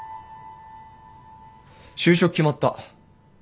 就職決まった。